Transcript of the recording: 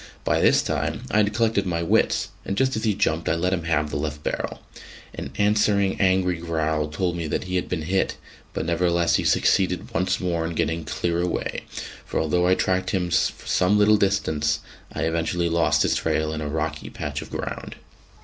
By this time I had collected my wits, and just as he jumped I let him have the left barrel. An answering angry growl told me that he had been hit; but nevertheless he succeeded once more in getting clear away, for although I tracked him for some little distance, I eventually lost his trail in a rocky patch of ground.